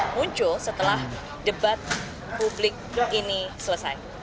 muncul setelah debat publik ini selesai